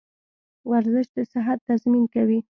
ورزش د صحت تضمین کوي.